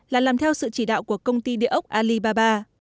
là làm theo sự chỉ đạo của công ty địa ốc alibaba